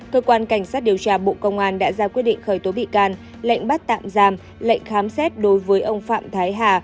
cơ quan cảnh sát điều tra bộ công an đã ra quyết định khởi tố bị can lệnh bắt tạm giam lệnh khám xét đối với ông phạm thái hà